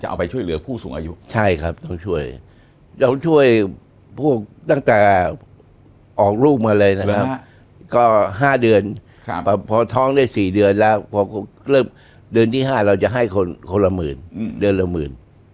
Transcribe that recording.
เอาไปช่วยเหลือผู้สูงอายุใช่ครับต้องช่วยเราช่วยพวกตั้งแต่ออกลูกมาเลยนะครับก็๕เดือนพอท้องได้๔เดือนแล้วพอเริ่มเดือนที่๕เราจะให้คนคนละหมื่นเดือนละหมื่น